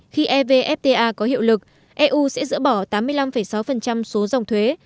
khi evfta có hiệu lực eu sẽ dỡ bỏ tám mươi năm sáu số dòng thuế